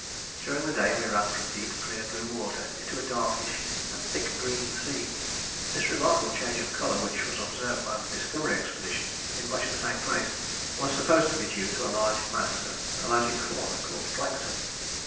During the day we ran from deep clear blue water into a darkish and thick green sea. This remarkable change of colour, which was observed by the Discovery Expedition in much the same place, was supposed to be due to a large mass of pelagic fauna called plankton.